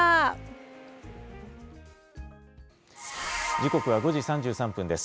時刻は５時３３分です。